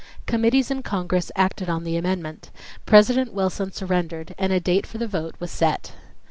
Committees in Congress acted on the amendment. President Wilson surrendered and a date for the vote was set.